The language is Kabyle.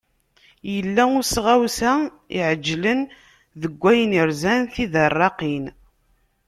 Yella usɣawsa iεeǧlen deg ayen irzan tidarraqin.